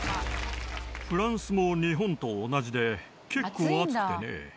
フランスも日本と同じで結構暑くてね。